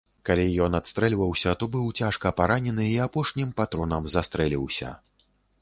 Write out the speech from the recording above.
Калі ён адстрэльваўся, то быў цяжка паранены і апошнім патронам застрэліўся.